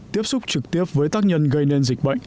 tiếp xúc trực tiếp với tác nhân gây nên dịch bệnh